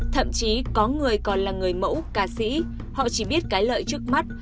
thậm chí có người còn là người mẫu ca sĩ họ chỉ biết cái lợi trước mắt